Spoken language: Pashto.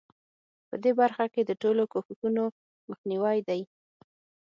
په دې برخه کې د ټولو کوښښونو مخنیوی دی.